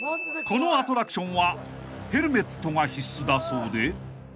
［このアトラクションはヘルメットが必須だそうで］